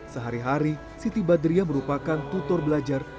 sehari hari siti badriah merupakan tutor belajar